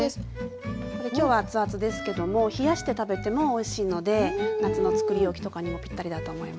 今日は熱々ですけども冷やして食べてもおいしいので夏のつくり置きとかにもぴったりだと思います。